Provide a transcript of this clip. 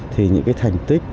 thì những cái thành tích